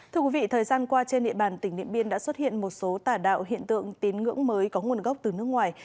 thưa quý vị thời gian qua trên địa bàn tỉnh điện biên đã xuất hiện một số tà đạo hiện tượng tín ngưỡng mới có nguồn gốc từ nước ngoài